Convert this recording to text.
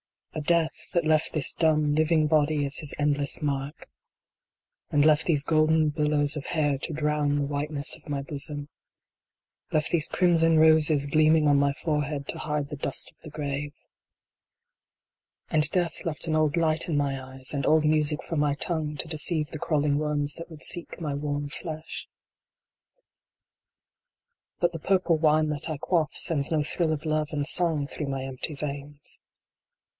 A Death that left this dumb, living body as his endless mark 9 io RESURGAM. And left these golden billows of hair to drown the whiteness of my bosom. Left these crimson roses gleaming on my forehead to hide the dust of the grave. And Death left an old light in my eyes, and old music for my tongue, to deceive the crawling worms that would seek my warm flesh. But the purple wine that I quaff sends no thrill of Love and Song through my empty veins.